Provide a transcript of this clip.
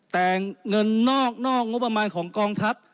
แต่เงินนอกงบประมาณของกองทัพ